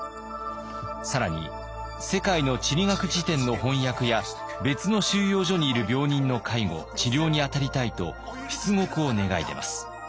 更に世界の地理学辞典の翻訳や別の収容所にいる病人の介護治療に当たりたいと出獄を願い出ます。